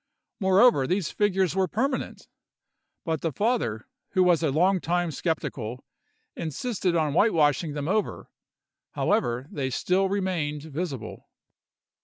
Moreover, these figures were permanent; but the father, who was a long time skeptical, insisted on whitewashing them over; however, they still remained visible.